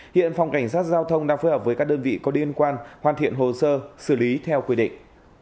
hiện phòng cảnh sát giao thông đang phối hợp với các đơn vị có liên quan hoàn thiện hồ sơ xử lý theo quy định